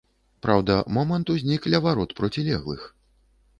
Праўда, момант узнік ля варот процілеглых.